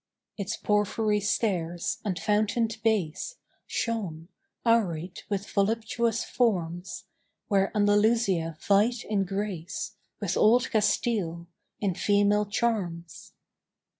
Its porphyry stairs and fountained base Shone, houried with voluptuous forms, Where Andalusia vied in grace With old Castile, in female charms.